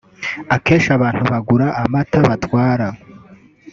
akeshi abantu bagura amata batwara